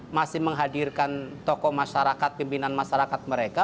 masih menghadirkan tokoh masyarakat pimpinan masyarakat mereka